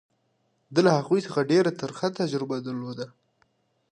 ده له هغوی څخه ډېره ترخه تجربه درلوده.